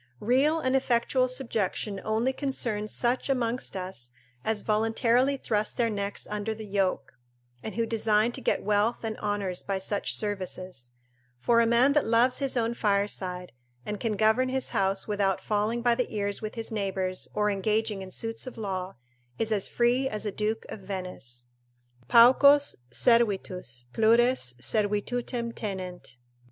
Real and effectual subjection only concerns such amongst us as voluntarily thrust their necks under the yoke, and who design to get wealth and honours by such services: for a man that loves his own fireside, and can govern his house without falling by the ears with his neighbours or engaging in suits of law, is as free as a Duke of Venice. "Paucos servitus, plures servitutem tenent."